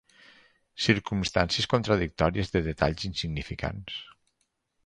Circumstàncies contradictòries, de detalls insignificants.